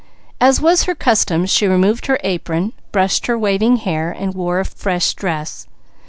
As was her custom, she removed her apron, brushed her waving hair and wore a fresh dress.